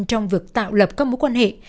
trong việc tạo lập các mối quan hệ